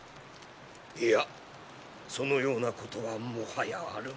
いやそのようなことはもはやあるまい。